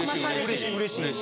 うれしいし。